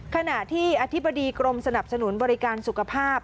ขณะที่อธิบดีกรมสนับสนุนบริการสุขภาพ